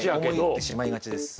思ってしまいがちです。